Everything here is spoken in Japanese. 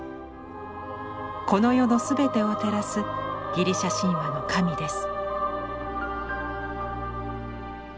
この世のすべてを照らすギリシャ神話の神です。